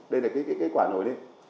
đây là cái quả nổi lên